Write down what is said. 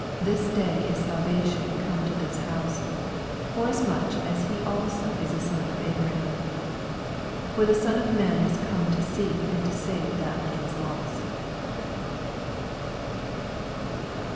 This day is salvation come to this house, forasmuch as he also is a son or Abra ' ham. 10 For the Son of man is oome to seek and to save that which was lost.